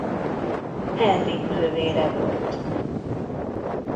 Henrik nővére volt.